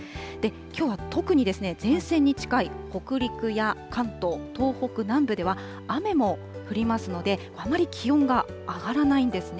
きょうは特に、前線に近い北陸や関東、東北南部では雨も降りますので、あまり気温が上がらないんですね。